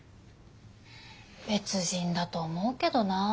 別人だと思うけどな。